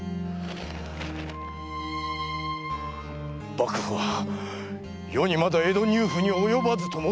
幕府は余にまだ江戸入府には及ばずと申しておるぞ。